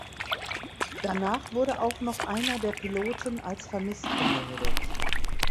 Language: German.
Danach wurde auch noch einer der Piloten als vermisst gemeldet.